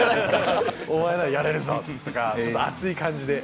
お前ならやれるぞとか、ちょっと熱い感じで。